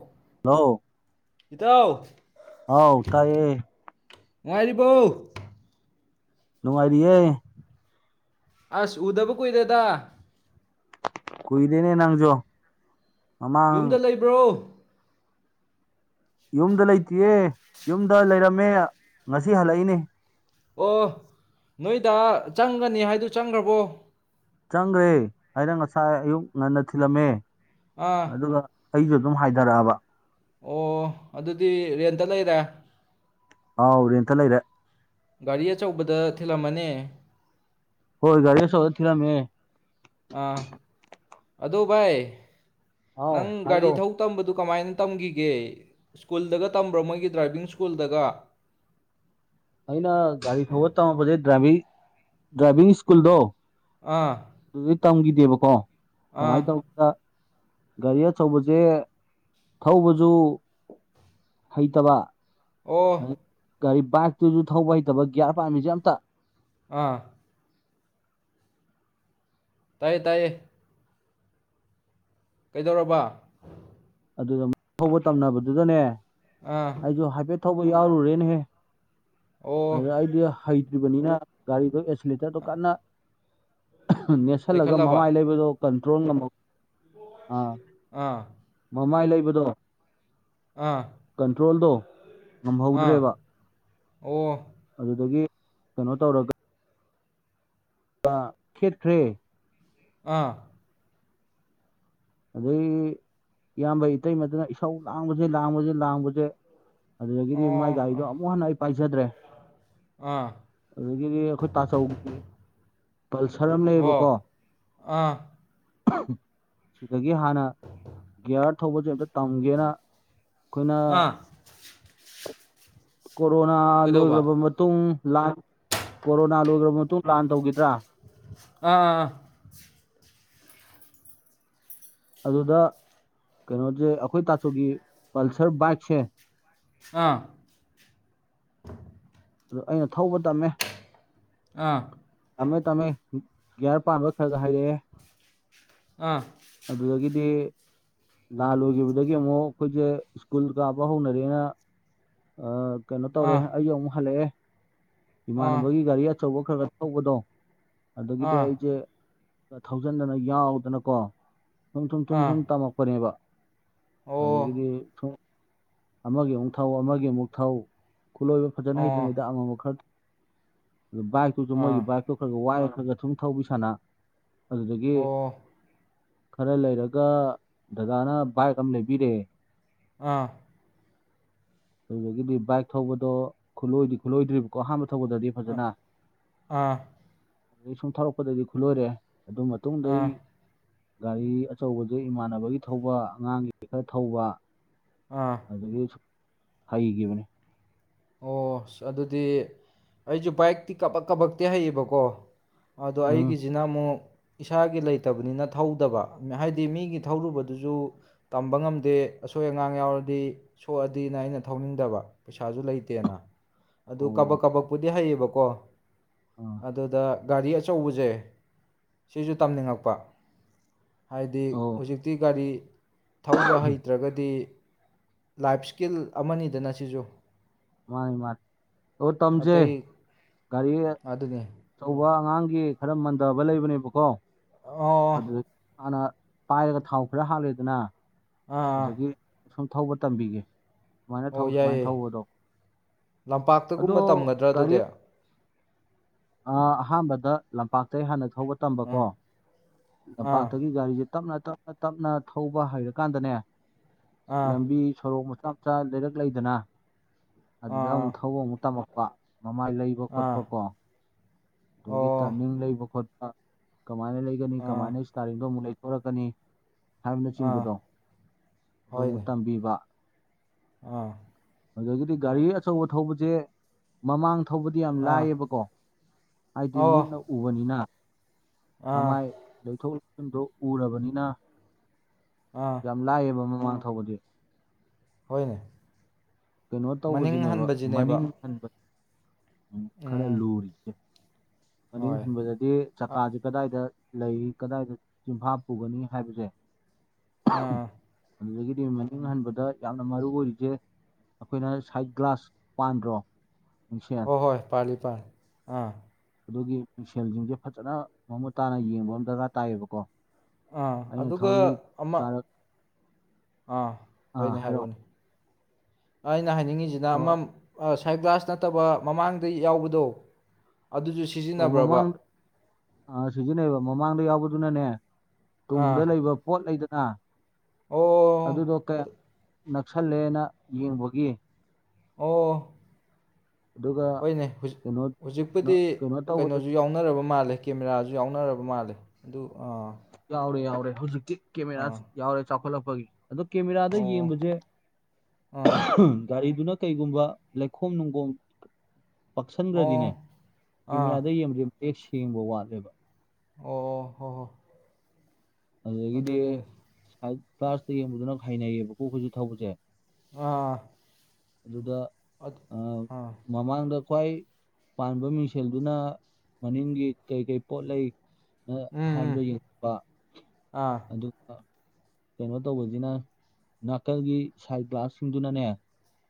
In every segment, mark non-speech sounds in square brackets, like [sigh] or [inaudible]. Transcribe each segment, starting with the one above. ꯑꯣ ꯅꯣ ꯏꯇꯥꯎ ꯍꯥꯎ ꯇꯥꯏꯌꯦ ꯅꯨꯡꯉꯥꯏꯔꯤꯕꯣ ꯅꯨꯡꯉꯥꯏꯔꯤꯌꯦ ꯑꯁ ꯎꯗꯕ ꯀꯨꯏꯔꯦꯗ ꯀꯨꯏꯗꯦꯅꯦ ꯅꯪꯖꯨ ꯌꯨꯝꯗ ꯂꯩꯕ꯭ꯔꯣ ꯌꯨꯝꯗ ꯂꯩꯇꯤꯌꯦ ꯌꯨꯝꯗ ꯂꯩꯔꯝꯃꯦ ꯉꯁꯤ ꯍꯜꯂꯛꯏꯅꯤ ꯑꯣ ꯅꯣꯏꯗꯥ ꯆꯪꯒꯅꯤ ꯍꯥꯏꯗꯨ ꯆꯪꯒ꯭ꯔꯕꯣ ꯆꯪꯒ꯭ꯔꯦ ꯑꯩꯅ ꯉꯁꯥꯏ ꯑꯌꯨꯛ ꯉꯟꯅ ꯊꯤꯜꯂꯝꯃꯦ ꯑꯥ ꯑꯗꯨꯒ ꯑꯩꯖꯨ ꯑꯗꯨꯝ ꯍꯥꯏꯗꯔꯛꯑꯕ ꯑꯣ ꯑꯗꯨꯗꯤ ꯔꯦꯟꯇ ꯂꯩꯔꯦ ꯑꯥꯎ ꯔꯦꯟꯇ ꯂꯩꯔꯦ ꯒꯥꯔꯤ ꯑꯆꯧꯕꯗ ꯊꯤꯜꯂꯝꯃꯅꯤ ꯍꯣꯏ ꯒꯥꯔꯤ ꯑꯆꯧꯕꯗ ꯊꯤꯜꯂꯝꯃꯦ ꯑ ꯑꯗꯣ ꯚꯥꯏ ꯑꯥꯎ ꯅꯪ ꯍꯥꯏꯌꯣ ꯒꯥꯔꯤ ꯊꯧ ꯇꯝꯕꯗꯨ ꯀꯃꯥꯏꯅ ꯇꯝꯒꯤꯒꯦ ꯁ꯭ꯀꯨꯜꯗꯒ ꯇꯝꯕ꯭ꯔꯣ ꯃꯣꯏꯒꯤ ꯗ꯭ꯔꯥꯏꯕꯤꯡ ꯁ꯭ꯀꯨꯜꯗꯒ ꯑꯩꯅ ꯒꯥꯔꯤ ꯊꯧꯕ ꯇꯝꯃꯛꯄꯖꯦ ꯗ꯭ꯔꯥꯏꯚꯤꯡ ꯗ꯭ꯔꯥꯏꯚꯤꯡ ꯁ꯭ꯀꯨꯜꯗꯣ ꯑꯥ ꯗꯨꯗꯩ ꯇꯝꯒꯤꯗꯦꯕꯀꯣ ꯑꯥ ꯀꯃꯥꯏꯅ ꯇꯧ ꯑ ꯒꯥꯔꯤ ꯑꯆꯧꯕꯖꯦ ꯊꯧꯕꯖꯨ ꯍꯩꯇꯕ ꯑꯣ ꯒꯥꯔꯤ ꯕꯥꯏꯛꯇꯨꯖꯨ ꯊꯧꯕ ꯍꯩꯇꯕ ꯒꯤꯌꯥꯔ ꯄꯥꯟꯕꯤꯖꯦ ꯑꯝꯇ ꯑꯥ ꯇꯥꯏꯌꯦ ꯇꯥꯏꯌꯦ ꯀꯩꯗꯧꯔꯕ ꯑꯗꯨꯗ ꯍꯧꯕ ꯇꯝꯅꯕꯗꯨꯗꯅꯦ ꯑꯥ ꯑꯩꯖꯨ ꯍꯥꯏꯐꯦꯠ ꯊꯧꯕ ꯌꯥꯎꯔꯨꯔꯦꯅꯦꯍꯦ ꯑꯣ ꯑꯗꯨꯗ ꯑꯩꯗꯤ ꯍꯩꯇ꯭ꯔꯤꯕꯅꯤꯅ ꯒꯥꯔꯤꯗꯣ ꯑꯦꯁꯤꯂꯦꯇꯔꯗꯣ ꯀꯟꯅ ꯅꯦꯁ ꯁꯜꯂꯒ ꯂꯩꯈꯠꯂꯕ ꯃꯃꯥꯏ ꯂꯩꯕꯗꯣ ꯀꯟꯇ꯭ꯔꯣꯜ ꯉꯝꯃꯛ ꯑꯥ ꯑꯥ ꯃꯃꯥꯏ ꯂꯩꯕꯗꯣ ꯑꯥ ꯀꯟꯇ꯭ꯔꯣꯜꯗꯣ ꯉꯝꯍꯧꯗ꯭ꯔꯦꯕ ꯑꯥ ꯑꯣ ꯑꯗꯨꯗꯒꯤ ꯀꯩꯅꯣ ꯇꯧꯔꯒ ꯄ ꯈꯦꯠꯈ꯭ꯔꯦ ꯑꯥ ꯑꯗꯩ ꯏꯌꯥꯝꯕ ꯏꯇꯩꯃꯗꯨꯅ ꯏꯁꯧ ꯂꯥꯡꯕꯖꯤ ꯂꯥꯡꯕꯖꯤ ꯂꯥꯡꯕꯖꯤ ꯑꯗꯨꯗꯒꯤꯗꯤ ꯃꯥꯏ ꯒꯥꯔꯤꯗꯣ ꯑꯣ ꯑꯃꯨꯛ ꯍꯟꯅ ꯑꯩ ꯄꯥꯏꯖꯗ꯭ꯔꯦ ꯑꯥ ꯑꯗꯒꯤꯗꯤ ꯑꯩꯈꯣꯏ ꯇꯥꯆꯧꯒꯤ ꯄꯜꯁꯔ ꯑꯝ ꯂꯩꯌꯦꯕꯀꯣ ꯍꯣ ꯑꯥ ꯁꯤꯗꯒꯤ ꯍꯥꯟꯅ ꯒꯤꯌꯥꯔ ꯊꯧꯕꯁꯦ ꯑꯝꯇ ꯇꯝꯒꯦꯅ ꯑꯩꯈꯣꯏꯅ ꯑꯥ ꯀꯣꯔꯣꯅꯥ ꯀꯩꯗꯧꯕ ꯂꯣꯏꯒ꯭ꯔꯕ ꯃꯇꯨꯡ ꯂꯥꯟ ꯀꯣꯔꯣꯅꯥ ꯂꯣꯏꯒ꯭ꯔꯕ ꯃꯇꯨꯡ ꯂꯥꯟ ꯇꯧꯒꯤꯗ꯭ꯔꯥ ꯑꯥ ꯑ ꯑ ꯑꯗꯨꯗ ꯀꯩꯅꯣꯁꯦ ꯑꯩꯈꯣꯏ ꯇꯥꯆꯧꯒꯤ ꯄꯜꯁꯔ ꯕꯥꯏꯛꯁꯦ ꯑꯥ ꯑꯗꯨ ꯑꯩꯅ ꯊꯧꯕ ꯇꯝꯃꯦ ꯑꯥ ꯇꯝꯃꯦ ꯇꯝꯃꯦ ꯒ꯭ꯌꯥꯔ ꯄꯥꯟꯕ ꯈꯔꯒ ꯍꯩꯔꯦ ꯑꯥ ꯑꯗꯨꯗꯒꯤꯗꯤ ꯂꯥꯜ ꯂꯣꯏꯒꯤꯕꯗꯒꯤ ꯑꯃꯨꯛ ꯑꯩꯈꯣꯏꯖꯦ ꯁ꯭ꯀꯨꯜ ꯀꯥꯕ ꯍꯧꯅꯔꯦꯅ ꯑ ꯀꯩꯅꯣ ꯇꯧꯔꯦ ꯑꯥ ꯑꯩꯁꯨ ꯑꯃꯨꯛ ꯍꯜꯂꯛꯑꯦ ꯑꯥ ꯏꯃꯥꯟꯅꯕꯒꯤ ꯒꯥꯔꯤ ꯑꯆꯧꯕ ꯈꯔꯒ ꯊꯧꯕꯗꯣ ꯑꯗꯒꯤꯗꯤ ꯑꯥ ꯑꯩꯖꯦ ꯊꯧꯖꯤꯟꯗꯅ ꯌꯥꯎꯗꯅꯀꯣ ꯁꯨꯝ ꯊꯨꯝ ꯊꯨꯝ ꯑꯥ ꯁꯨꯝ ꯇꯝꯃꯛꯄꯅꯦꯕ ꯑꯣ ꯑꯗꯒꯤꯗꯤ ꯁꯨꯝ ꯑꯃꯒꯤ ꯑꯃꯨꯛ ꯊꯧ ꯑꯃꯒꯤ ꯑꯃꯨꯛ ꯊꯧ ꯈꯨꯠꯂꯣꯏꯕ ꯐꯖꯅ ꯑꯣ ꯍꯩꯇ꯭ꯔꯤꯉꯩꯗ ꯑꯃꯝꯕ ꯈꯔ ꯑꯗꯨ ꯕꯥꯏꯛꯇꯨꯁꯨ ꯑꯥ ꯃꯣꯏꯒꯤ ꯕꯥꯏꯛꯇꯨ ꯈꯔꯒ ꯋꯥꯏꯔ ꯈꯔꯒ ꯁꯨꯝ ꯊꯧꯕꯤ ꯁꯥꯅ ꯑꯗꯨꯗꯒꯤ ꯑꯣ ꯈꯔ ꯂꯩꯔꯒ ꯗꯗꯥꯅ ꯕꯥꯏꯛ ꯑꯃ ꯂꯩꯕꯤꯔꯑꯦ ꯑꯥ ꯑꯗꯨꯗꯒꯤꯗꯤ ꯕꯥꯏꯛ ꯊꯧꯕꯗꯣ ꯈꯨꯠꯂꯣꯏꯗꯤ ꯈꯨꯠꯂꯣꯏꯗ꯭ꯔꯤꯕꯀꯣ ꯑꯍꯥꯟꯕ ꯊꯧꯕꯗꯗꯤ ꯐꯖꯅ ꯑꯥ ꯑꯗꯩꯩ ꯁꯨꯝ ꯊꯧꯔꯛꯄꯗꯩꯩꯗꯤ ꯈꯨꯠꯂꯣꯏꯔꯦ ꯑꯗꯨ ꯃ ꯃꯇꯨꯡꯗ ꯑꯩ ꯑꯥ ꯒꯥꯔꯤ ꯑꯆꯧꯕꯁꯦ ꯏꯃꯥꯟꯅꯕꯒꯤ ꯊꯧꯕ ꯑꯉꯥꯡꯒꯤ ꯈꯔ ꯊꯧꯕ ꯑꯥ ꯑꯗꯒꯤ ꯍꯩꯒꯤꯕꯅꯦ ꯑꯣ ꯑꯗꯨꯗꯤ ꯑꯩꯁꯨ ꯕꯥꯏꯛꯇꯤ ꯀꯕꯛ ꯀꯕꯛꯇꯤ ꯍꯩꯌꯦꯕꯀꯣ ꯑꯗꯣ ꯎꯝ ꯑꯩꯒꯤꯁꯤꯅ ꯑꯃꯨꯛ ꯏꯁꯥꯒꯤ ꯂꯩꯇꯕꯅꯤꯅ ꯊꯧꯗꯕ ꯍꯥꯏꯗꯤ ꯃꯤꯒꯤ ꯊꯧꯔꯨꯕꯗꯨꯁꯨ ꯇꯝꯕ ꯉꯝꯗꯦ ꯑꯁꯣꯏ ꯑꯉꯥꯝ ꯌꯥꯎꯔꯗꯤ ꯁꯣꯛꯑꯗꯤꯅ ꯑꯩꯅ ꯊꯧꯅꯤꯡꯗꯕ ꯄꯩꯁꯥꯁꯨ ꯂꯩ ꯇꯦꯅ ꯑꯗꯨ ꯀꯕꯛ ꯑꯣ ꯀꯕꯛꯄꯨꯗꯤ ꯍꯩꯌꯦꯕꯀꯣ ꯑꯥ ꯑꯗꯨꯗ ꯒꯥꯔꯤ ꯑꯆꯧꯕꯁꯦ ꯁꯤꯁꯨ ꯇꯝꯅꯤꯡꯉꯛꯄ ꯍꯥꯏꯗꯤ ꯑꯣ ꯍꯧꯖꯤꯛꯇꯤ ꯒꯥꯔꯤ ꯊꯧꯕ ꯍꯩꯇ꯭ꯔꯒꯗꯤ ꯂꯥꯏꯐ ꯏꯁ꯭ꯀꯤꯜ ꯑꯃꯅꯤꯗꯅ ꯁꯤꯁꯨ ꯃꯥꯅꯤ ꯃꯥꯅꯤ ꯍꯣ ꯇꯝꯖꯦ ꯑꯇꯩ ꯒꯥꯔꯤ ꯑꯗꯨꯅꯤ ꯑꯆꯧꯕ ꯑꯉꯥꯡꯒꯤ ꯈꯔ ꯃꯟꯙꯕ ꯂꯩꯕꯅꯦꯕꯀꯣ ꯑꯣ ꯑꯗꯨꯗ ꯍꯥꯟꯅ ꯄꯥꯏꯔꯒ ꯊꯥꯎ ꯈꯔ ꯍꯥꯜꯂꯦꯗꯅꯥ ꯑꯥ ꯑꯥ ꯑꯗꯒꯤ ꯁꯨꯝ ꯊꯧꯕ ꯇꯝꯕꯤꯒꯦ ꯁꯨꯃꯥꯏꯅ ꯊꯧ ꯑꯣ ꯁꯨꯃꯥꯏꯅ ꯌꯥꯏꯌꯦ ꯊꯧꯑꯣꯗꯣ ꯑꯗꯣ ꯂꯝꯄꯥꯛꯇꯒꯨꯝꯕ ꯇꯝꯒꯗ꯭ꯔꯥ ꯒꯥꯔꯤ ꯑꯗꯨꯗꯤ ꯑꯥ ꯑꯍꯥꯟꯕꯗ ꯂꯝꯄꯥꯛꯇꯩ ꯍꯥꯟꯅ ꯊꯧꯕ ꯇꯝꯕꯀꯣ ꯑꯥ ꯑꯥ ꯂꯝꯄꯥꯛꯇꯒꯤ ꯒꯥꯔꯤꯁꯦ ꯇꯞꯅ ꯇꯞꯅ ꯇꯞꯅ ꯊꯧꯕ ꯍꯩꯔꯀꯥꯟꯗꯅꯦ ꯑꯥ ꯂꯝꯕꯤ ꯁꯣꯔꯣꯛ ꯃꯆꯥ ꯃꯆꯥ ꯂꯩꯔꯛ ꯂꯩꯗꯅꯥ ꯑꯗꯨꯗ ꯑꯃꯨꯛ ꯑꯥ ꯊꯧꯕ ꯑꯃꯨꯛ ꯇꯝꯃꯛꯄ ꯃꯃꯥꯏ ꯂꯩꯕ ꯑꯥ ꯈꯣꯠꯄ ꯀꯣ ꯑꯗꯒꯤ ꯑꯣ ꯇꯔꯅꯤꯡ ꯂꯩꯕ ꯈꯣꯠꯄ ꯀꯃꯥꯏꯅ ꯂꯩꯒꯅꯤ ꯑꯥ ꯀꯃꯥꯏꯅ ꯏꯁꯇꯥꯔꯤꯡꯗꯣ ꯑꯃꯨꯛ ꯂꯩ ꯊꯣꯔꯛꯀꯅꯤ ꯑꯥ ꯍꯥꯏꯕꯅꯆꯤꯡꯕꯗꯣ ꯑꯗꯨꯃꯨꯛ ꯍꯣꯏꯅꯦ ꯇꯝꯕꯤꯕ ꯑꯥ ꯑꯗꯨꯗꯒꯤꯗꯤ ꯒꯥꯔꯤ ꯑꯆꯧꯕ ꯊꯧꯕꯁꯦ ꯃꯃꯥꯡ ꯊꯧꯕꯗꯤ ꯌꯥꯝ ꯑꯥ ꯂꯥꯏꯑꯦꯕꯀꯣ ꯍꯥꯏꯗꯤ ꯑꯣ ꯃꯤꯠꯅ ꯎꯕꯅꯤꯅ ꯑꯥ ꯃꯃꯥꯏ ꯂꯩꯊꯣꯛ [unintelligible] ꯎꯔꯕꯅꯤꯅ ꯑꯥ ꯌꯥꯝ ꯂꯥꯏꯌꯦꯕ ꯃꯃꯥꯡ ꯊꯧꯕꯗꯤ ꯍꯣꯏꯅꯦ ꯀꯩꯅꯣ ꯃꯅꯤꯡ ꯇꯧꯕꯖꯤꯅꯦꯕ ꯍꯟꯕꯁꯤꯅꯦꯕ ꯃꯅꯤꯡ ꯍꯟꯕ ꯎꯝ ꯈꯔ ꯂꯨꯔꯤꯖꯦ ꯃꯅꯤꯡ ꯍꯣꯏ ꯍꯟꯕꯗ ꯗꯤ ꯑ ꯆꯀꯥꯖꯦ ꯀꯗꯥꯏꯗ ꯂꯩꯔꯤ ꯀꯗꯥꯏꯗ ꯆꯤꯟꯐꯥ ꯄꯨꯒꯅꯤ ꯍꯥꯏꯕꯖꯦ ꯑꯥ [unintelligible] ꯑꯗꯨꯗꯒꯤꯗꯤ ꯃꯅꯤꯡ ꯍꯟꯕꯗ ꯌꯥꯝꯅ ꯃꯔꯨ ꯑꯣꯏꯔꯤꯖꯦ ꯑꯩꯈꯣꯏꯅ ꯁꯥꯏꯠ ꯒ꯭ꯂꯥꯁ ꯄꯥꯟꯗ꯭ꯔꯣ ꯃꯤꯡꯁꯦꯜ ꯍꯣꯏ ꯍꯣꯏ ꯄꯥꯜꯂꯤ ꯄꯥꯥꯜꯂꯤ ꯑꯥ ꯑꯗꯨꯒꯤ ꯃꯤꯡꯁꯦꯜꯖꯤꯡꯖꯦ ꯐꯖꯅ ꯃꯃꯨꯠ ꯇꯥꯅ ꯌꯦꯡꯕꯃ ꯗꯔꯀꯥꯔ ꯇꯥꯏꯑꯕꯀꯣ ꯑꯥ ꯑꯗꯨꯒ ꯑꯃ ꯑꯥ ꯑꯥ ꯍꯣꯏꯅꯦ ꯍꯥꯏꯔꯛꯑꯣ ꯍꯥꯏꯔꯑꯣꯅꯦ ꯑꯩꯅ ꯍꯥꯏꯅꯤꯡꯉꯤꯖꯤꯅ ꯑꯃ ꯑꯣ ꯑ ꯁꯥꯏꯠ ꯒ꯭ꯂꯥꯁ ꯅꯠꯇꯕ ꯃꯃꯥꯡꯗ ꯌꯥꯎꯕꯗꯣ ꯑꯗꯨꯖꯨ ꯑꯣ ꯁꯤꯖꯤꯟꯅꯕ꯭ꯔꯕ ꯃꯃꯥꯡ ꯑ ꯁꯤꯖꯤꯟꯅꯩꯕ ꯃꯃꯥꯡꯗ ꯌꯥꯎꯕꯗꯨꯅꯅꯦ ꯇꯨꯡꯗ ꯑꯥ ꯂꯩꯕ ꯄꯣꯠ ꯂꯩꯗꯅ ꯑꯣ ꯑꯗꯨꯗꯣ ꯀꯌꯥꯝ ꯅꯛꯁꯜꯂꯦꯅ ꯌꯦꯡꯕꯒꯤ ꯑꯣ ꯑꯗꯨꯒ ꯍꯣꯏꯅꯦ ꯍꯨꯖꯤꯛ ꯀꯩꯅꯣ ꯀꯩꯅꯣ ꯍꯨꯖꯤꯛꯄꯨꯗꯤ ꯀꯩꯅꯣ ꯇꯧꯕꯗ ꯀꯩꯅꯣꯖꯨ ꯌꯥꯎꯅꯔꯕ ꯃꯥꯜꯂꯦ ꯀꯦꯃꯦꯔꯥꯖꯨ ꯌꯥꯎꯅꯔꯕ ꯃꯥꯜꯂꯦ ꯑꯗꯨ ꯑ ꯌꯥꯎꯔꯦ ꯌꯥꯎꯔꯦ ꯍꯧꯖꯤꯛꯇꯤ ꯀꯦꯃꯦꯔꯥ ꯌꯥꯎꯔꯦ ꯆꯥꯎꯈꯠꯂꯛꯄꯒꯤ ꯑꯗꯣ ꯀꯦꯃꯦꯔꯥꯗ ꯑꯣ ꯌꯦꯡꯕꯖꯦ ꯑꯥ [unintelligible] ꯒꯥꯔꯤꯗꯨꯅ ꯀꯩꯒꯨꯝꯕ ꯂꯩꯈꯣꯝ ꯅꯨꯡꯒꯣꯝ ꯑꯣ ꯄꯛꯁꯟꯒ꯭ꯔꯗꯤꯅꯦ ꯑꯥ ꯀꯦꯃꯦꯔꯥꯗ ꯌꯦꯕꯖꯦ ꯃꯌꯦꯛ ꯁꯦꯡꯕ ꯋꯥꯠꯂꯦꯕ ꯑꯣ ꯍꯣ ꯍꯣ ꯑꯗꯨꯗꯒꯤꯗꯤ ꯁꯥꯏꯠ ꯒ꯭ꯂꯥꯁꯇ ꯌꯦꯡꯕꯗꯨꯅ ꯍꯩꯅꯩꯑꯕꯀꯣ ꯑꯩꯈꯣꯏꯖꯨ ꯊꯧꯕꯖꯦ ꯑꯥ ꯑꯗꯨꯗ ꯑꯗꯨ ꯑ ꯑꯥ ꯃꯃꯥꯡꯗ ꯈ꯭ꯋꯥꯏ ꯄꯥꯟꯕ ꯃꯤꯡꯁꯦꯜꯗꯨꯅ ꯃꯅꯤꯡꯒꯤ ꯀꯩ ꯀꯩ ꯄꯣꯠ ꯂꯩ ꯅ ꯎꯝ ꯎꯝ ꯍꯥꯏꯕꯗꯣ ꯌꯦꯡꯊꯣꯛꯄ ꯑꯥ ꯑꯗꯨꯒ ꯀꯩꯅꯣ ꯇꯧꯕꯖꯤꯅ ꯅꯥꯀꯜꯒꯤ ꯁꯥꯏꯠ ꯒ꯭ꯂꯥꯁ ꯁꯤꯡꯗꯨꯅꯅꯦ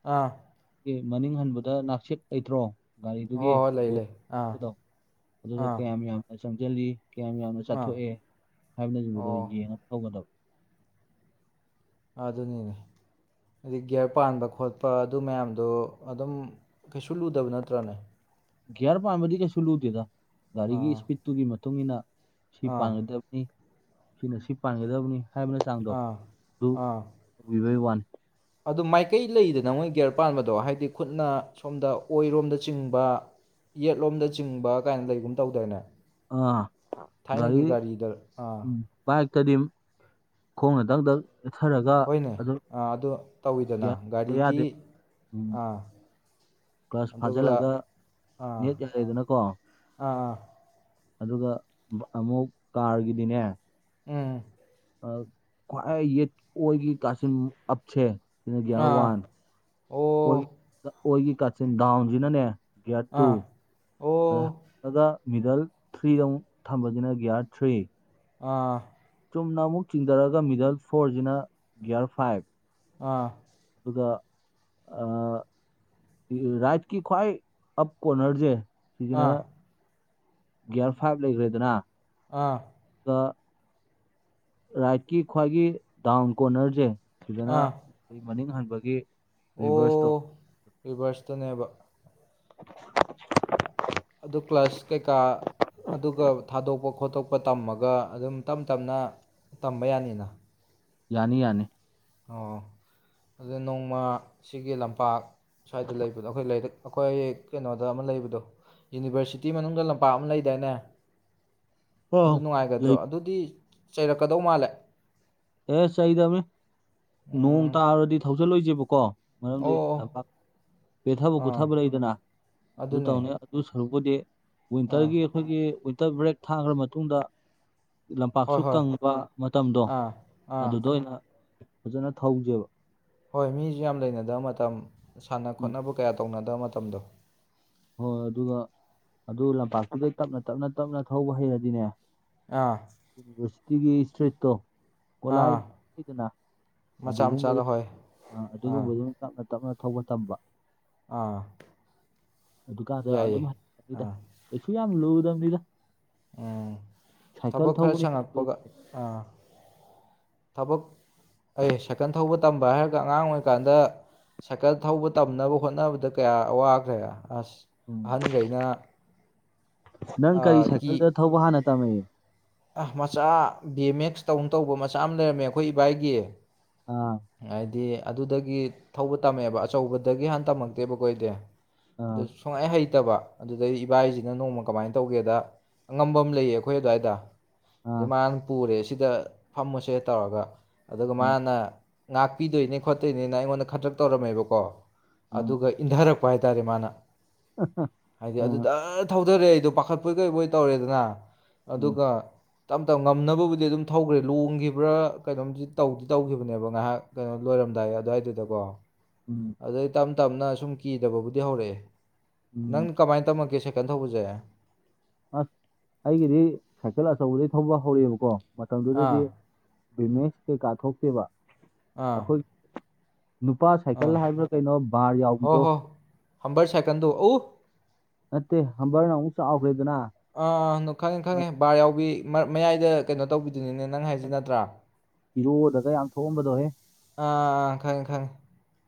ꯑꯥ [unintelligible] ꯃꯅꯤꯡ ꯍꯟꯕꯗ ꯅꯥꯛꯆꯦꯛ ꯂꯩꯇ꯭ꯔꯣ ꯒꯥꯔꯤꯗꯨꯒꯤ ꯍꯣꯏ ꯍꯣꯏ ꯂꯩ ꯂꯩ ꯑꯥ [unintelligible] ꯑꯗꯨꯗꯣ ꯑꯥ ꯀꯌꯥꯝ ꯌꯥꯝꯅ ꯆꯪꯖꯜꯂꯤ ꯀꯌꯥꯝ ꯌꯥꯝꯅ ꯑꯥ ꯆꯠꯊꯣꯛꯑꯦ ꯍꯥꯏꯕꯅꯆꯤꯡꯕꯗꯣ ꯑꯣ ꯌꯦꯡꯉ ꯊꯧꯒꯗꯕ ꯑꯗꯨꯅꯤꯅꯦ ꯑꯗꯩ ꯒ꯭ꯌꯔ ꯄꯥꯟꯕ ꯈꯣꯠꯄ ꯑꯗꯨ ꯃꯌꯥꯝꯗꯣ ꯑꯗꯨꯝ ꯀꯩꯁꯨ ꯂꯨꯗꯕ ꯅꯠꯇ꯭ꯔꯅꯦ ꯒ꯭ꯌꯔ ꯄꯥꯟꯕꯗꯤ ꯀꯩꯁꯨ ꯂꯨꯗꯦꯗ ꯒꯥꯔꯤꯒꯤ ꯑꯥ ꯁ꯭ꯄꯤꯠꯇꯨꯒꯤ ꯃꯇꯨꯡ ꯏꯟꯅ ꯁꯤ ꯑꯥ ꯄꯥꯟꯒꯗ ꯅꯤ ꯁꯤꯅ ꯁꯤ ꯄꯥꯟꯒꯗꯕꯅꯤ ꯍꯥꯏꯕꯅ ꯆꯥꯡꯗꯣ ꯑꯥ ꯑꯗꯨ ꯑꯥ ꯇꯧꯕꯤꯕꯒꯤ ꯋꯥꯅꯤ ꯑꯗꯨ ꯃꯥꯏꯀꯩ ꯂꯩꯗꯅ ꯃꯣꯏ ꯒ꯭ꯌꯔ ꯄꯥꯟꯕꯗꯣ ꯍꯥꯏꯗꯤ ꯈꯨꯠꯅ ꯁꯣꯝꯗ ꯑꯣꯏꯔꯣꯝꯗ ꯆꯤꯡꯕ ꯌꯦꯠꯂꯣꯝꯗ ꯆꯤꯡꯕ ꯒꯥꯏꯅ ꯂꯩꯒꯨꯝ ꯇꯧꯗꯥꯏꯅꯦ ꯑꯥ ꯊꯥꯏꯅꯒꯤ ꯒꯥꯔꯤ ꯒꯥꯔꯤꯗ ꯑꯥ ꯕꯥꯏꯛꯇꯗꯤ ꯈꯣꯡꯅ ꯗꯛ ꯗꯛ ꯅꯦꯠꯊꯔꯒ ꯍꯣꯏꯅꯦ ꯑꯗꯨꯝ ꯑꯥ ꯑꯗꯨ ꯇꯧꯋꯤꯗꯅ [unintelligible] ꯒꯥꯔꯤꯒꯤ ꯌꯥꯗꯦ ꯎꯝ ꯑꯥ ꯀ꯭ꯂꯁ ꯑꯗꯨꯒ ꯐꯥꯖꯜꯂꯒ ꯑꯥ ꯅꯦꯠ ꯌꯥꯔꯦꯗꯅꯀꯣ ꯑꯥ ꯑꯗꯨꯒ ꯕ ꯑꯃꯨꯛ ꯀꯥꯔꯒꯤꯗꯤꯅꯦ ꯎꯝ ꯑ ꯈ꯭ꯋꯥꯏ ꯌꯦꯠ ꯑꯣꯏꯒꯤ ꯀꯥꯆꯤꯟ ꯑꯞꯁꯦ ꯁꯤꯅ ꯒꯤ꯭ꯌꯥꯔ ꯑꯥ ꯋꯥꯟ ꯑꯣ ꯑꯣꯏ ꯑꯣꯏꯒꯤ ꯀꯥꯆꯤꯟ ꯗꯥꯎꯟꯁꯤꯅꯅꯦ ꯒ꯭ꯌꯥꯔ ꯇꯨ ꯑꯥ ꯑꯣ ꯑꯗ ꯑꯒ ꯃꯤꯗꯜ ꯊ꯭ꯔꯤꯗ ꯑꯃꯨꯛ ꯊꯝꯕꯁꯤꯅ ꯒ꯭ꯌꯥꯔ ꯊ꯭ꯔꯤ ꯑꯥ ꯆꯨꯝꯅ ꯑꯃꯨꯛ ꯆꯤꯡꯊꯔꯒ ꯃꯤꯗꯜ ꯐꯣꯔꯖꯤꯅ ꯒ꯭ꯌꯥꯔ ꯐꯥꯏꯞ ꯑꯥ ꯑꯗꯨꯒ ꯑꯥ ꯔꯥꯏꯠꯀꯤ ꯈ꯭ꯋꯥꯏ ꯑꯞ ꯀꯣꯅꯔꯖꯦ ꯁꯤꯖꯤꯅ ꯑꯥ ꯒ꯭ꯌꯥꯔ ꯐꯥꯏꯞ ꯂꯩꯒ꯭ꯔꯦꯗꯅ ꯑꯥ ꯒꯥ ꯔꯥꯏꯠꯀꯤ ꯈ꯭ꯋꯥꯏꯒꯤ ꯗꯥꯎꯟ ꯀꯣꯔꯅꯔꯖꯦ ꯁꯤꯗꯅ ꯑꯥ ꯃꯅꯤꯡ ꯍꯟꯕꯒꯤ ꯔꯤꯚ꯭ꯔꯁꯇꯣ ꯔꯤꯚ꯭ꯔꯁꯇꯨꯅꯦꯕ [inaudible] ꯑꯗꯨ ꯀ꯭ꯂꯁ ꯀꯩꯀꯥ ꯑꯗꯨꯒ ꯊꯥꯗꯣꯛꯄ ꯈꯣꯠꯇꯣꯛꯄ ꯇꯝꯃꯒ ꯑꯗꯨꯝ ꯇꯝ ꯇꯝꯅ ꯇꯝꯕ ꯌꯥꯅꯤꯅ ꯌꯥꯅꯤ ꯌꯥꯅꯤ ꯑꯣ ꯑꯗꯨ ꯅꯣꯡꯃ ꯁꯤꯒꯤ ꯂꯝꯄꯥꯛ ꯁ꯭ꯋꯥꯏꯗ ꯂꯩꯕꯗꯣ ꯑꯩꯈꯣꯏ ꯂꯩꯔꯛ ꯑꯩꯈꯣꯏ ꯀꯩꯅꯣꯗ ꯑꯃ ꯂꯩꯕꯗꯣ ꯌꯨꯅꯤꯕ‍꯭ꯔꯁꯤꯇꯤ ꯃꯅꯨꯡꯗ ꯂꯝꯄꯥꯛ ꯑꯃ ꯂꯩꯗꯥꯏꯅꯦ ꯑꯗꯨ ꯑꯣ ꯅꯨꯡꯉꯥꯏꯒꯗ꯭ꯔꯣ ꯂꯩ ꯑꯗꯨꯗꯤ ꯆꯩꯔꯛꯀꯗꯧ ꯃꯥꯜꯂꯦ ꯑꯦ ꯆꯩꯗꯕꯅꯤ ꯅꯣꯡ ꯎꯝ ꯇꯥꯔꯗꯤ ꯊꯧꯖꯤꯜꯂꯣꯏꯁꯦꯕꯀꯣ ꯃꯔꯝꯗꯤ ꯑꯣ ꯑꯣ ꯂꯝꯄꯥꯛ ꯄꯦꯊꯕ ꯑꯥ ꯀꯨꯠꯊꯕ ꯂꯩꯗꯅ ꯑꯗꯨ ꯑꯗꯨꯅꯦ ꯇꯧꯅꯤ ꯑꯗꯨ ꯁꯔꯨꯛꯄꯨꯗꯤ ꯑꯥ ꯋꯤꯟꯇꯔꯒꯤ ꯑꯩꯈꯣꯏꯒꯤ ꯋꯤꯟꯇꯔ ꯕ꯭ꯔꯦꯛ ꯊꯥꯈ꯭ꯔꯥ ꯃꯇꯨꯡꯗ ꯍꯣꯏ ꯂꯝꯄꯥꯛꯁꯨ ꯍꯣꯏ ꯀꯪꯕ ꯃꯇꯝꯗꯣ ꯑꯥ ꯑꯥ ꯑꯗꯨꯗ ꯑꯣꯏꯅ ꯐꯖꯅ ꯊꯧꯖꯦꯕ ꯍꯣꯏ ꯃꯤꯖꯨ ꯌꯥꯝ ꯂꯩꯅꯗꯕ ꯃꯇꯝ ꯁꯥꯟꯅ ꯎꯝ ꯈꯣꯠꯅꯕ ꯀꯌꯥ ꯇꯧꯅꯗꯕ ꯃꯇꯝꯗꯣ ꯍꯣꯏ ꯑꯗꯨꯒ ꯑꯗꯨ ꯂꯝꯄꯥꯛꯇꯨꯗꯩ ꯇꯞꯅ ꯇꯞꯅ ꯇꯞꯅ ꯊꯧꯕ ꯍꯩꯔꯗꯤꯅꯦ ꯑꯥ ꯌꯨꯅꯤꯕ꯭ꯔꯁꯤꯇꯤꯒꯤ ꯏꯁꯇ꯭ꯔꯤꯠꯇꯣ ꯒ‌ꯣꯠꯂꯥꯏ ꯑꯥ ꯂꯩꯗꯅ ꯃꯆꯥ ꯑꯗꯨꯒꯨꯝꯕꯗ ꯃꯆꯥꯗ ꯍꯣꯏ ꯑꯥ ꯑꯗꯨꯒꯨꯝꯕꯗꯨ ꯇꯞꯅ ꯇꯞꯅ ꯊꯧꯕ ꯇꯝꯕ ꯑꯥ ꯑꯗꯨꯀꯥꯟꯗ ꯑꯗꯨꯝ ꯌꯥꯏꯌꯦ ꯍꯩꯅꯤꯗ ꯑꯥ ꯀꯩꯁꯨ ꯌꯥꯝ ꯂꯨꯗꯕꯅꯤꯗ ꯎꯝ ꯁꯥꯏꯀꯜ ꯊꯕꯛ ꯈꯔ ꯊꯧꯕꯅ ꯍꯦꯟꯅ ꯁꯪꯉꯛꯄꯒ ꯂꯨꯕꯅꯦ ꯑꯥ ꯊꯕꯛ ꯑꯩꯍ ꯁꯥꯏꯀꯜ ꯊꯧꯕ ꯇꯝꯕ ꯍꯥꯏꯔꯒ ꯑꯉꯥꯡ ꯑꯣꯏꯔꯤꯀꯥꯟꯗ ꯁꯥꯏꯀꯜ ꯊꯧꯕ ꯇꯝꯅꯕ ꯍꯣꯠꯅꯕꯗ ꯀꯌꯥ ꯋꯥꯈ꯭ꯔꯦ ꯑꯁ ꯎꯝ ꯑꯍꯟꯒꯩꯅ ꯅꯪ ꯀꯔꯤ ꯑꯥ ꯀꯤ ꯁꯥꯏꯀꯜꯗ ꯊꯧꯕ ꯍꯥꯟꯅ ꯇꯝꯃꯦ ꯑꯥꯍ ꯃꯆꯥ ꯕꯤ ꯑꯦꯝ ꯑꯦꯁ ꯇꯧꯅ ꯇꯧꯕ ꯃꯆꯥ ꯑꯃ ꯂꯩꯔꯝꯃꯦ ꯑꯩꯈꯣꯏ ꯏꯕꯥꯏꯒꯤ ꯑꯥ ꯍꯥꯏꯗꯤ ꯑꯗꯨꯗꯒꯤ ꯊꯧꯕ ꯇꯝꯃꯦꯕ ꯑꯆꯧꯕꯗꯒꯤ ꯍꯥꯟ ꯇꯝꯃꯛꯇꯦꯕ ꯀꯣ ꯑꯩꯗꯤ ꯑꯗꯨ ꯑꯥ ꯁꯨꯡꯍꯩ ꯍꯩꯇꯕ ꯑꯗꯨꯗꯩ ꯏꯕꯥꯏꯖꯤꯅ ꯅꯣꯡꯃ ꯀꯃꯥꯏꯅ ꯇꯧꯒꯦꯗ꯫ ꯑꯉꯝꯕ ꯑꯃ ꯂꯩꯌꯦ ꯑꯩꯈꯣꯏ ꯑꯗꯨ꯭ꯋꯥꯏꯗ꯫ ꯑꯗꯨ ꯑꯥ ꯃꯥꯅ ꯄꯨꯔꯦ ꯁꯤꯗ ꯐꯝꯃꯨꯁꯦ ꯇꯧꯔꯒ ꯑꯗꯨꯒ ꯑꯥ ꯃꯥꯅ꯫ ꯉꯥꯛꯄꯤꯗꯣꯏꯅꯦ ꯈꯣꯠꯇꯣꯏꯅꯦꯅ ꯑꯩꯉꯣꯟꯗ ꯈꯗ꯭ꯔꯛ ꯇꯧꯔꯝꯃꯦꯕꯀꯣ ꯑꯥ ꯑꯗꯨꯒ ꯏꯟꯙꯔꯛ ꯄ ꯍꯥꯏꯇꯥꯔꯦ ꯃꯥꯅ ꯍꯥꯏꯗꯤ ꯑꯗꯨ ꯑꯥ ꯗꯥꯛ ꯊꯧꯙꯔꯦ ꯑꯩꯗꯣ ꯄꯥꯈꯠꯄꯣꯏ ꯀꯩꯕꯣꯏ ꯇꯧꯔꯦꯗꯅ ꯑꯥ ꯑꯗꯨꯒ ꯇꯞ ꯇꯞꯅ ꯉꯝꯅꯕꯕꯨꯗꯤ ꯑꯗꯨꯝ ꯊꯧꯒ꯭ꯔꯦ ꯂꯣꯡꯒꯤꯕ꯭ꯔꯥ ꯀꯩꯅꯣꯝꯗꯤ ꯇꯧꯗꯤ ꯇꯧꯒꯤꯕꯅꯦꯕ꯫ ꯉꯥꯏꯍꯥꯛ ꯀꯩꯅꯣ ꯂꯣꯏꯔꯝꯗꯥꯏ ꯑꯗꯨꯋꯥꯏꯗꯨꯗꯀꯣ꯫ ꯎꯝ꯫ ꯑꯗꯩ ꯇꯞ ꯇꯞꯅ ꯁꯨꯝ ꯀꯤꯗꯕꯕꯨꯗꯤ ꯍꯧꯔꯛꯑꯦ ꯅꯪ ꯎꯝ ꯀꯃꯥꯏꯅ ꯇꯝꯃꯛꯒꯦ ꯁꯥꯏꯀꯜ ꯊꯧꯕꯁꯦ꯫ ꯑꯁ ꯑꯩꯒꯤꯗꯤ ꯁꯥꯏꯀꯜ ꯑꯆꯧꯕꯗꯩ ꯊꯧꯕ ꯍꯧꯔꯑꯕꯀꯣ ꯑꯥ ꯃꯇꯝꯗꯨꯗꯗꯤ꯫ ꯚꯤꯃꯦꯁ ꯀꯩꯀꯥ ꯊꯣꯛꯇꯦꯕ ꯑꯥ ꯑꯩꯈꯣꯏ ꯅꯨꯄꯥ ꯑꯥ ꯁꯥꯏꯀꯜ ꯍꯥꯏꯕ꯭ꯔꯥ ꯀꯩꯅꯣ ꯕꯥꯔ ꯍꯣꯏ ꯌꯥꯎꯕꯤꯗꯣ꯫ ꯍꯣꯏ ꯍꯝꯕꯔ ꯁꯥꯏꯀꯜꯗꯣ ꯑꯣ꯫ ꯅꯠꯇꯦ ꯍꯝꯕꯔꯅ ꯑꯃꯨꯛ ꯆꯥꯎꯈ꯭ꯔꯦꯗꯅ꯫ ꯑꯥ ꯈꯪꯉꯦ ꯈꯪꯉꯦ ꯕꯥꯔ ꯌꯥꯎꯕꯤ ꯃꯌꯥꯏꯗ ꯀꯩꯅꯣ ꯇꯧꯕꯤꯗꯨꯅꯤꯅꯦ ꯅꯪ ꯍꯥꯏꯁꯤ ꯅꯠꯇ꯭ꯔꯥ꯫ ꯍꯤꯔꯣꯗꯒ ꯌꯥꯝ ꯊꯣꯛꯑꯝꯕꯗꯣꯍꯦ꯫ ꯑꯥ ꯈꯪꯉꯦ ꯈꯪꯉꯦ꯫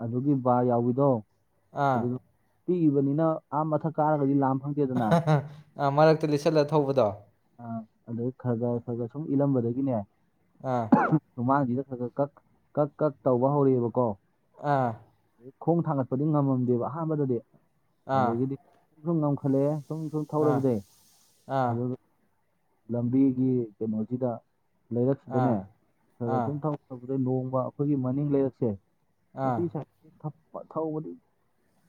ꯑꯗꯨꯒꯤ ꯕꯥꯔ ꯌꯥꯎꯋꯗꯣ ꯑꯥ ꯑꯗꯨꯗꯣ ꯄꯤꯕꯅꯤꯅ ꯑꯥ ꯃꯊꯛ ꯀꯥꯔꯒꯗꯤ ꯂꯥꯝ ꯐꯪꯗꯦꯗꯅ ꯃꯔꯛꯇ ꯂꯤꯠꯁꯜꯂ ꯊꯧꯕꯗꯣ꯫ ꯑ ꯑꯩꯗꯩꯩ ꯈꯔ ꯈꯔ ꯈꯔ ꯁꯨꯝ ꯏꯜꯂꯝꯕꯗꯒꯤꯅꯦ ꯑꯥ꯫ ꯃꯃꯥꯡꯁꯤꯗ ꯈꯔ ꯈꯔ ꯀ ꯀꯛ ꯀꯛ ꯇꯧꯕ ꯍꯧꯔꯛꯑꯦꯕꯀꯣ꯫ ꯑꯥ꯫ ꯈꯣꯡ ꯊꯥꯡꯒꯠꯄꯗꯤ ꯉꯝꯃꯝꯗꯦꯕ ꯑꯍꯥꯟꯕꯗꯗꯤ ꯑꯥ ꯑꯗꯨꯗꯒꯤꯗꯤ ꯁꯨꯝ ꯁꯨꯝ ꯉꯝꯈꯠꯂꯑꯦ꯫ ꯁꯨꯝ ꯁꯨꯝ ꯑꯥ ꯊꯧꯔꯕꯗꯤ ꯑꯥ ꯑꯗꯨ ꯂꯝꯕꯤꯒꯤ ꯀꯩꯅꯣꯁꯤꯗ ꯑꯥ ꯂꯩꯔꯛꯁꯤꯗꯅꯦ ꯑꯥ ꯈꯊꯨꯝꯗ ꯅꯣꯡꯃ ꯑꯩꯈꯣꯏꯒꯤ ꯃꯅꯤꯡ ꯂꯩꯔꯛꯁꯦ꯫ ꯑꯥ ꯃꯁꯤ ꯁꯥꯏ ꯊꯕꯛ ꯊꯧꯕꯗꯤ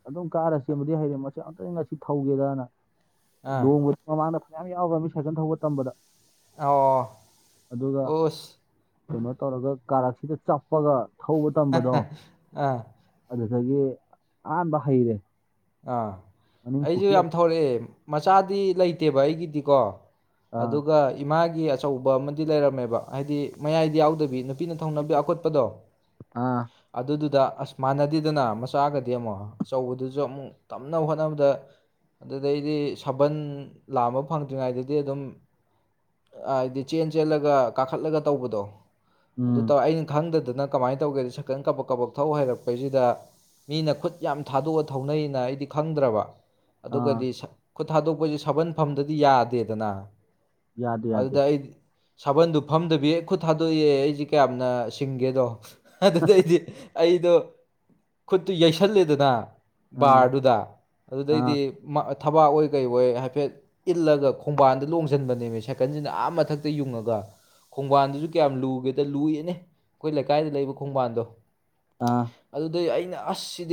ꯑꯗꯨꯝ ꯀꯥꯔꯁꯦꯕꯨꯗꯤ ꯍꯩꯔꯡ ꯃꯁꯤ ꯑꯝꯇꯪ ꯉꯁꯤ ꯊꯧꯒꯦꯗꯅ꯫ ꯑꯥ ꯂꯣꯡꯕꯁꯨ ꯃꯃꯥꯡꯗ ꯐꯌꯥꯝ ꯌꯥꯎꯕ꯭ꯔꯥ ꯃꯤ ꯁꯥꯏꯀꯜ ꯊꯧꯕ ꯇꯝꯕꯗ꯫ ꯑꯣ ꯑꯣꯁ꯫ ꯑꯗꯨꯃꯥꯏ ꯇꯧꯔꯒ ꯀꯥꯔꯛꯁꯤꯗ ꯆꯞꯄꯒ꯫ ꯊꯧꯕ ꯇꯝꯕꯗꯣ ꯑꯥ꯫ ꯑꯗꯨꯗꯒꯤ ꯑꯍꯥꯟꯕ ꯍꯩꯔꯦ꯫ ꯑꯥ ꯃꯅꯤꯡ ꯑꯩꯁꯨ ꯄꯨꯈꯤ ꯌꯥꯝ ꯊꯧꯔꯛꯑꯦ ꯃꯆꯥꯗꯤ ꯂꯩꯇꯦꯕ ꯑꯩꯒꯤꯗꯤꯀꯣ꯫ ꯑꯥ ꯑꯗꯨꯒ ꯏꯃꯥꯒꯤ ꯑꯆꯧꯕ ꯑꯃꯗꯤ ꯂꯩꯔꯝꯃꯦꯕ ꯍꯥꯏꯗꯤ ꯃꯌꯥꯏꯗꯤ ꯌꯥꯎꯗꯕꯤ ꯅꯨ ꯄꯤꯅ ꯊꯧꯅꯕ ꯑꯀꯨꯠꯄꯗꯣ꯫ ꯑꯥ ꯑꯗꯨꯗꯨꯗ ꯑꯁ ꯃꯥꯟꯅꯗꯦꯗꯅ ꯃꯆꯥꯒꯗꯤ ꯑꯃꯨꯛ ꯑꯆꯧꯕꯗꯨꯁꯨ ꯑꯃꯨꯛ꫰꫰ ꯇꯝꯅꯕ ꯍꯣꯠꯅꯕꯗ ꯑꯗꯨꯗꯩꯗꯤ ꯁꯥꯕꯜ ꯂꯥꯑꯝꯕ ꯐꯪꯗ꯭ꯔꯤꯉꯩꯗꯗꯤ ꯑꯗꯨꯝ ꯍꯥꯏꯗꯤ ꯆꯦꯟ ꯆꯦꯜꯂꯒ ꯀꯥꯈꯠꯂꯒ ꯇꯧꯕꯗꯣ ꯑꯗꯨ ꯎꯝ ꯇꯧꯔ ꯑꯩꯅ ꯈꯪꯗꯗꯅ ꯀꯃꯥꯏꯅ ꯇꯧꯒꯦ ꯁꯛꯇꯪ ꯀꯕꯛ ꯀꯕꯛ ꯊꯧ ꯍꯩꯔꯛꯄꯩꯁꯤꯗ꯫ ꯃꯤꯅ ꯈꯨꯠ ꯌꯥꯝ ꯊꯥꯗꯣꯛꯑ ꯊꯧꯅꯩꯅ ꯑꯩꯗꯤ ꯈꯪꯗ꯭ꯔꯕ ꯑꯥ ꯑꯗꯨꯒꯗꯤ ꯈꯨꯠ ꯊꯥꯗꯣꯛꯄꯁꯦ ꯁꯥꯕꯜꯐꯝꯗꯗꯤ ꯌꯥꯗꯦꯗꯅ ꯌꯥꯗꯦ ꯌꯥꯗꯦ ꯑꯗꯨꯗ ꯑꯩ ꯁꯥꯕꯜꯗꯨ ꯐꯝꯗꯕꯤꯌꯦ ꯈꯨꯠ ꯊꯥꯗꯣꯛꯑꯦ ꯑꯩꯁꯦ ꯀꯌꯥꯝꯅ ꯁꯤꯡꯒꯦꯗꯣ ꯑꯗꯨꯗꯩꯗꯤ ꯑꯩꯗꯣ ꯈꯨꯠꯇꯨ ꯌꯩꯁꯜꯂꯦꯗꯅ ꯑꯥ ꯕꯥꯔꯗꯨꯗ ꯑꯥ ꯑꯗꯨꯗꯩꯗꯤ ꯊꯕꯥꯛ ꯑꯣꯏ ꯀꯩ ꯑꯣꯏ ꯍꯥꯏꯐꯦꯠ ꯏꯜꯂꯒ ꯈꯣꯡꯕꯥꯟꯗ ꯂꯣꯡꯁꯤꯟꯕꯅꯦꯃꯤ ꯁꯥꯏꯀꯜꯁꯤꯅ ꯑꯥ ꯃꯊꯛꯇ ꯌꯨꯡꯉꯒ ꯈꯣꯡꯕꯥꯟꯗꯨꯁꯨ ꯀꯌꯥꯝ ꯂꯨꯒꯦꯗ ꯂꯨꯏꯌꯦꯅꯦ ꯑꯩꯈꯣꯏ ꯂꯩꯀꯥꯏꯗ ꯂꯩꯕ ꯈꯣꯡꯕꯥꯟꯗꯣ ꯑꯥ ꯑꯗꯨꯗꯩ ꯑꯩꯅ ꯑꯁ ꯁꯤꯗꯤ